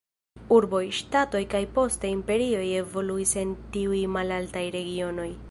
Urboj, ŝtatoj kaj poste imperioj evoluis en tiuj malaltaj regionoj.